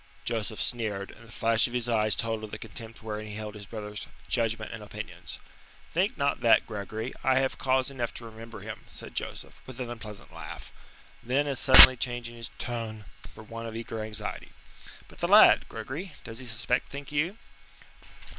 Joseph sneered, and the flash of his eyes told of the contempt wherein he held his brother's judgment and opinions. "Think not that, Gregory. I have cause enough to remember him," said Joseph, with an unpleasant laugh. Then as suddenly changing his tone for one of eager anxiety: "But the lad, Gregory, does he suspect, think you?"